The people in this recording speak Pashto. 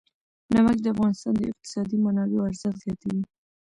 نمک د افغانستان د اقتصادي منابعو ارزښت زیاتوي.